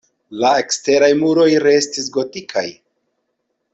La eksteraj muroj restis gotikaj.